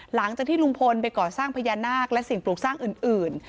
หลังจากที่ลุงพลไปก่อสร้างพญานาคและสิ่งปลูกสร้างอื่น